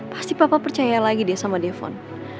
pasti papa percaya lagi deh sama defon